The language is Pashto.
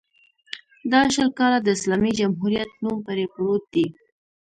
دا شل کاله د اسلامي جمهوریت نوم پرې پروت دی.